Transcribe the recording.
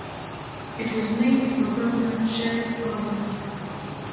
It was named for Governor Jared Irwin.